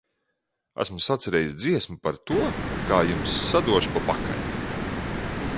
Esmu sacerējis dziesmu par to, kā jums sadošu pa pakaļu!